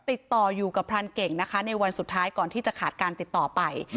ติดต่ออยู่กับพรานเก่งนะคะในวันสุดท้ายก่อนที่จะขาดการติดต่อไป